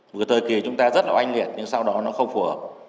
một thời kỳ chúng ta rất là oanh liệt nhưng sau đó nó không phù hợp